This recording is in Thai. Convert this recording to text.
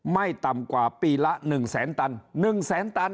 ไม่ต่ำกว่าปีละ๑แสนตัน๑แสนตัน